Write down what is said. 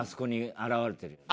表れてる。